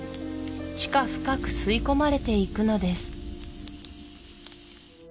地下深く吸い込まれていくのです